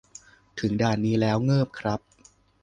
ถึงด่านนี้แล้วเงิบครับ